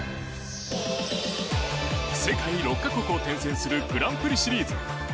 世界６か国を転戦するグランプリシリーズ。